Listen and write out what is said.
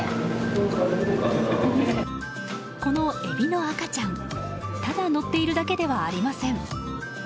このエビの赤ちゃんただ乗っているだけではありません。